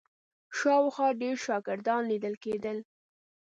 شاوخوا ډېر شاګردان لیدل کېدل.